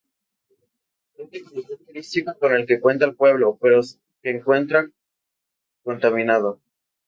Único lugar turístico con el que cuenta el pueblo, pero que encuentra contaminado.